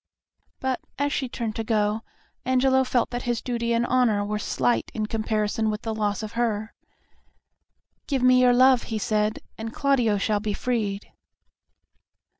But as she turned to go, Angelo felt that his duty and honor were slight in comparison with the loss of her. "Give me your love," he said, "and Claudio shall be freed."